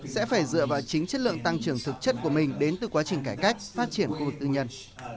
sẽ phải dựa vào chính chất lượng tăng trưởng thực chất của mình đến từ quá trình cải cách phát triển khu vực tư nhân